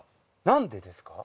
何でですか？